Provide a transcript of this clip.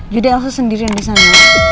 jadi elsa sendirian disana